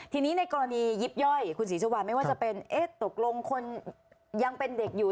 ทีนี้ในกรณียิบย่อยคุณศรีสุวรรณไม่ว่าจะเป็นเอ๊ะตกลงคนยังเป็นเด็กอยู่